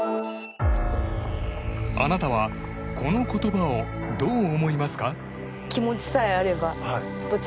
あなたはこの言葉をどう思いますか？